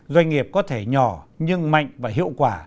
doanh nghiệp có thể nhỏ nhưng mạnh và hiệu quả